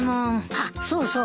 あっそうそう。